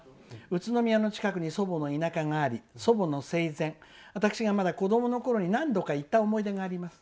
「宇都宮の近くに祖母の田舎があり祖母の生前私がまだ子どものころに何度か行った思い出があります」。